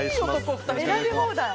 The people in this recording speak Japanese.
選び放題。